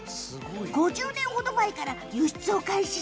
５０年ほど前から輸出を開始。